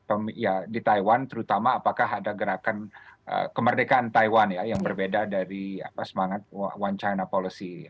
apa ya di taiwan terutama apakah ada gerakan kemerdekaan taiwan ya yang berbeda dari semangat one china policy